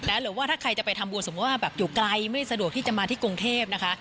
หรือว่าถ้าใครจะไปทำบุญสมมุติว่าแบบอยู่ไกลไม่สะดวกที่จะมาที่กรุงเทพนะคะ